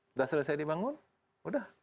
sudah selesai dibangun sudah